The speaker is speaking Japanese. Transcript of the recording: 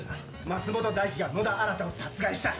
松本大希が野田新を殺害した。